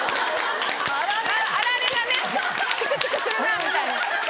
あられがねチクチクするなみたいな。